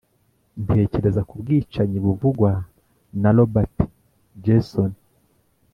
ntekereza ku bwicanyi buvugwa na robert gesony.